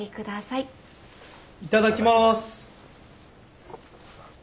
いただきます。